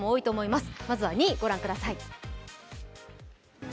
まずは２位、御覧ください。